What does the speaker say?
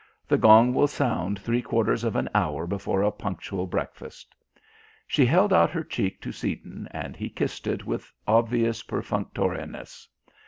The gong will sound three quarters of an hour before a punctual breakfast." She held out her cheek to Seaton, and he kissed it with obvious perfunctoriness.